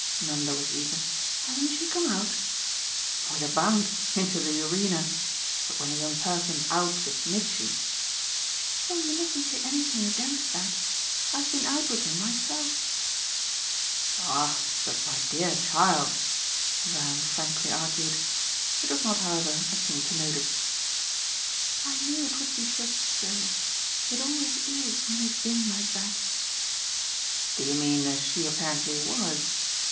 Nanda was eager. "Hasn't she come out?" "With a bound into the arena. But when a young person's out with Mitchy !" "Oh you mustn't say anything against that. I've been out with him myself." "Ah but my dear child !" Van frankly argued. It was not, however, a thing to notice. "I knew it would be just so. It always is when they've been like that." "Do you mean as she apparently WAS?